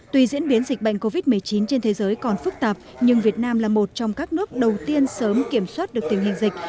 tuy diễn biến dịch bệnh covid một mươi chín trên thế giới còn phức tạp nhưng việt nam là một trong các nước đầu tiên sớm kiểm soát được tình hình dịch